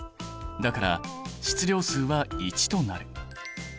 だから質量数は１となる。